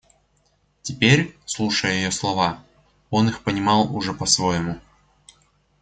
Теперь, слушая ее слова, он их понимал уже по-своему.